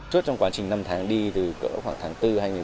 trước trong quá trình năm tháng đi từ khoảng tháng bốn hai nghìn một mươi bảy